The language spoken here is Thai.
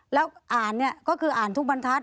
แล้วอ่านคืออ่านทุกบรรทัศน์